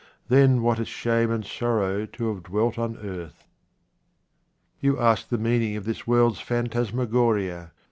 Then what a shame and sorrow to have dwelt on earth. You ask the meaning of this world's phantas magoria.